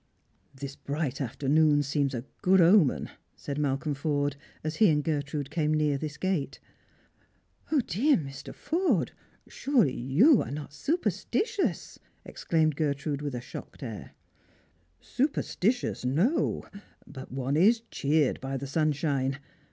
" This bright afternoon seems a good omen," said Malcolm Porde, as he and Gertrude came near this gate. " O, dear Mr. Forde, surely you are not superstitious!" exclaimed Gertrude with a shocked air. " Superstitious, no ; but one is cheered by the sunshine.